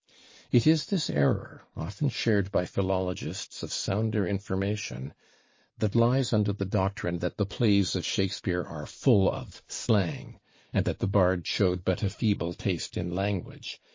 It is this error, often shared by philologists of sounder information, that lies under the doctrine that the plays of Shakespeare are full of slang, and that the Bard showed but a feeble taste in language.